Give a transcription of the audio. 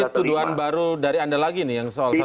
ada tuduhan baru dari anda lagi nih yang soal satu